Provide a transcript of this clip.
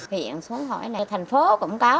hiện xuống hỏi này thành phố cũng có